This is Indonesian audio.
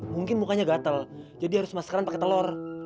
mungkin mukanya gatel jadi harus maskeran pakai telur